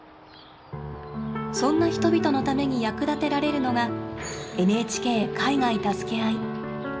そんな人々のために役立てられるのが「ＮＨＫ海外たすけあい」。